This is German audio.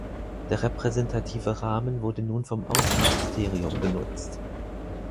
Der repräsentative Rahmen wurde nun vom Außenministerium genutzt.